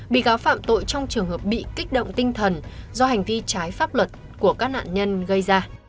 bị cáo phạm tội trong trường hợp bị kích động tinh thần do hành vi trái pháp luật của các nạn nhân gây ra